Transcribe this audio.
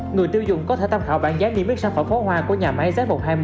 người tiêu dụng có thể tham khảo bán giá niêm mít sản phẩm pháo hoa của nhà máy z một trăm hai mươi một